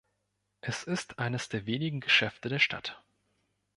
Es ist eines der wenigen Geschäfte der Stadt.